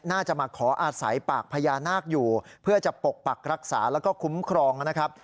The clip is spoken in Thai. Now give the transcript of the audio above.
น่าจะมาขออาศัยปากพญานาคอยู่เพื่อจะปกปักรักษาแล้วก็คุ้มครองนะครับ